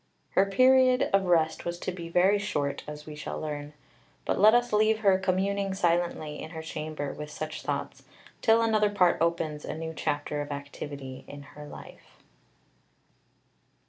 Her period of rest was to be very short, as we shall learn; but let us leave her communing silently in her chamber with such thoughts, till another Part opens a new chapter of activity in her life.